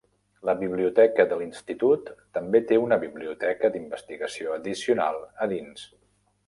La biblioteca de l'institut també té una biblioteca d'investigació addicional a dins.